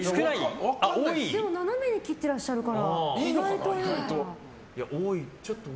斜めに切っていらっしゃるから多い？